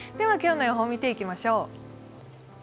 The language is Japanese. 今日の予報を見ていきましょう。